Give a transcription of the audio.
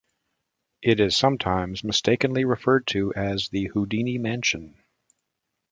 It is sometimes mistakenly referred to as the "Houdini Mansion".